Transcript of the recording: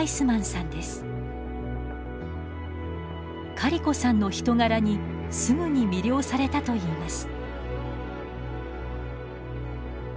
カリコさんの人柄にすぐに魅了されたといいます。